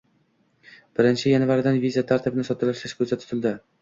Birinchi yanvardan viza tartibini soddalashtirish koʻzda tutildi.